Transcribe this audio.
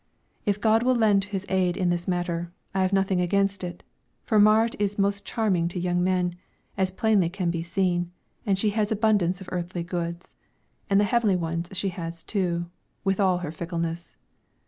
If God will lend His aid in this matter, I have nothing against it, for Marit is most charming to young men, as plainly can be seen, and she has abundance of earthly goods, and the heavenly ones she has too, with all her fickleness.